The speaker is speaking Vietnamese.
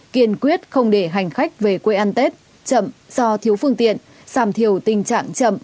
kiên quyết không để hành khách về quê ăn tết chậm do thiếu phương tiện giảm thiểu tình trạng chậm